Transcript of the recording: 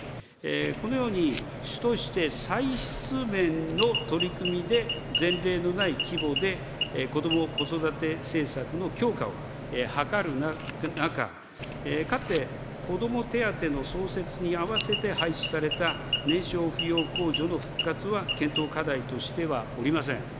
このように、主として歳出面の取り組みで前例のない規模でこども・子育て政策の強化を図る中、かつて、子ども手当の創設に合わせて廃止された年少扶養控除の復活は検討課題としてはおりません。